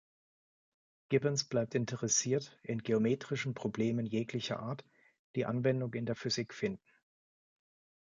Gibbons bleibt interessiert in geometrischen Problemen jeglicher Art, die Anwendung in der Physik finden.